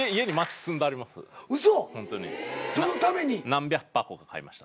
何百箱か買いました。